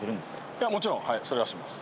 いや、もちろん、それはします。